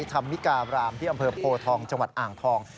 ธรรมิการามที่อำเภอโพทองจังหวัดอ่างทอง